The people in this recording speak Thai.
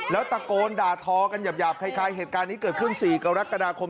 แล้วตะโกนด่าทอกันหยาบคล้ายเหตุการณ์นี้เกิดขึ้น๔กรกฎาคม